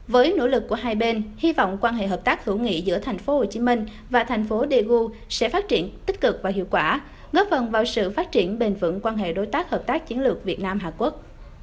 với nỗ lực của hai bên hy vọng quan hệ hợp tác hữu nghị giữa tp hcm và thành phố daegu sẽ phát triển tích cực và hiệu quả góp phần vào sự phát triển bền vững quan hệ đối tác hợp tác chiến lược việt nam hàn quốc